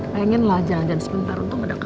bayanginlah jangan sebentar